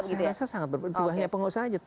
saya rasa sangat berpengaruh dua duanya pengusaha